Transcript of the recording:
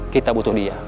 kita butuh dia